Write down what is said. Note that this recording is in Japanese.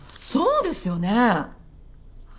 そうですよね！